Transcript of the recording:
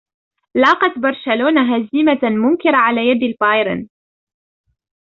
لاقت برشلونة هزيمة منكرة على يد البايرن